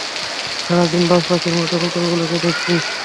সারাদিন বাজপাখির মতো কুকুরগুলোকে দেখছিস।